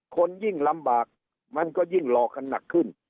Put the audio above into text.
คนยิ่งลำบากมันก็ยิ่งหลอกกันหนักขึ้น